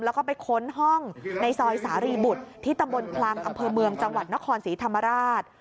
แล้วก็ไปค้นห้องในซอยสารีบุตรที่ตำบลคลังอำเภอเมืองจังหวัดนครศรีธรรมราช